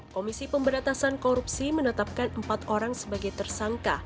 komisi pemberatasan korupsi menetapkan empat orang sebagai tersangka